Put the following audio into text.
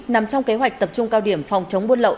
nằm trong kế hoạch tập trung cao điểm phòng chống buôn lậu